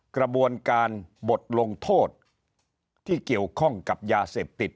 กระบวนการบทลงโทษที่เกี่ยวข้องกับยาเสพติด